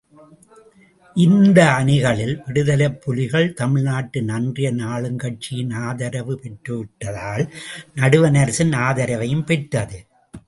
இந்த அணிகளில் விடுதலைப்புலிகள், தமிழ்நாட்டின் அன்றைய ஆளுங்கட்சியின் ஆதரவு பெற்று விட்டதால், நடுவணரசின் ஆதரவையும் பெற்றது.